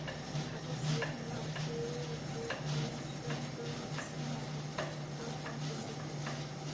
瓦杜茨城堡是列支敦士登亲王的官方居住地。